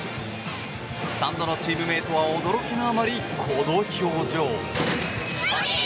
スタンドのチームメートは驚きのあまり、この表情。